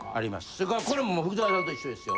それからこれも福澤さんと一緒ですよ。